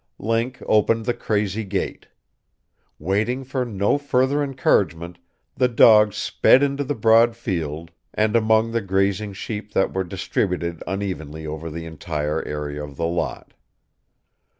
Link opened the crazy gate. Waiting for no further encouragement the dog sped into the broad field and among the grazing sheep that were distributed unevenly over the entire area of the lot.